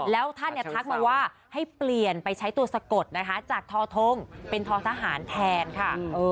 แล้วท่านทักมาว่าให้เปลี่ยนไปใช้ตัวสะกดนะคะจากทอทงเป็นทอทหารแทนค่ะ